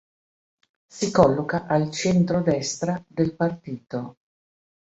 Si colloca al centro-destra del partito.